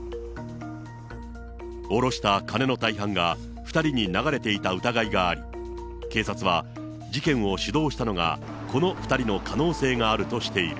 下ろした金の大半が２人に流れていた疑いがあり、警察は、事件を主導したのがこの２人の可能性があるとしている。